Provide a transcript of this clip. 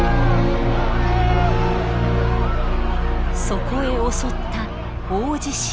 そこへ襲った大地震。